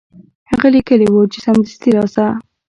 هغه لیکلي وو چې سمدستي راشه.